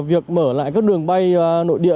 việc mở lại các đường bay nội địa